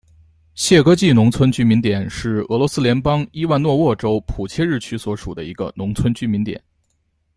谢戈季农村居民点是俄罗斯联邦伊万诺沃州普切日区所属的一个农村居民点。